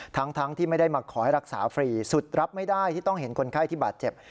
ทั้งที่ไม่ได้มาขอให้รักษาฟรีสุดรับไม่ได้ที่ต้องเห็นคนไข้ที่บาดเจ็บ